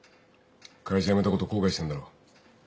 会社辞めたこと後悔してんだろ。